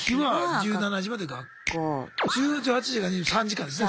１８時から３時間ですね